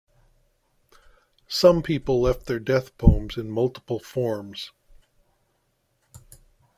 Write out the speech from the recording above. Some people left their death poems in multiple forms.